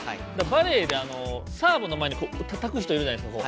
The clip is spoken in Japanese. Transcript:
バレーでサーブの前にたたく人いるじゃないですか。